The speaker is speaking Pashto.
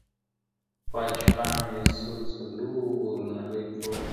خو چي پام یې سو څلورو نرۍ پښو ته `